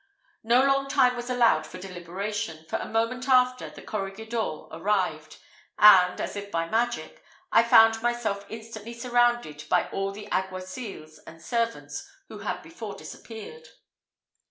No long time was allowed for deliberation, for a moment after, the corregidor arrived, and, as if by magic, I found myself instantly surrounded by all the alguacils and servants who had before disappeared.